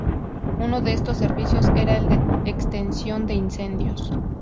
Uno de estos servicios era el de extinción de incendios.